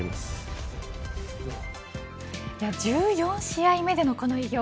１４試合目でのこの偉業